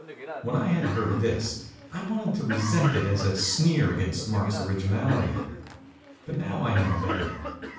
When I had heard this, I wanted to resent it as a sneer against Mark's originality. But now I know better.